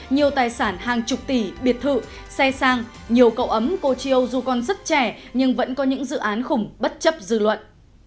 nhiều tài sản hàng chục tỷ biệt thự xe sang nhiều cậu ấm cô chiêu dù còn rất trẻ nhưng vẫn có những dự án khủng bất chấp dư luận